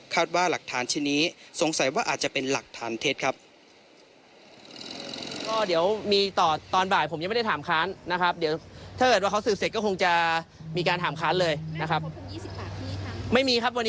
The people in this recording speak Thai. คาดว่าหลักฐานชนินสงสัยว่าอาจจะเป็นหลักฐานเทศครับ